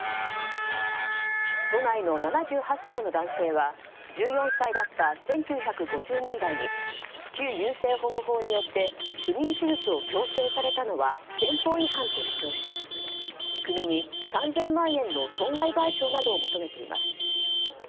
都内の７８歳の男性は１４歳だった１９５０年代に旧優生保護法によって不妊手術を強制されたのは憲法違反と主張し、国に３０００万円の損害賠償などを求めています。